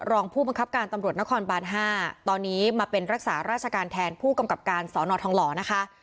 รองผู้บังคับการตำรวจนครบาน๕ตอนนี้มาเป็นรักษาราชการแทนผู้กำกับการสอนอทองหล่อนะคะ